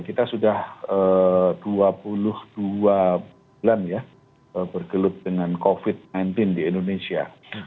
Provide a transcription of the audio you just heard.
kita sudah dua puluh dua bulan ya bergelut dengan covid sembilan belas di indonesia